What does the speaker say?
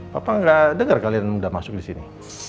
kalo gak denger kalian udah masuk disini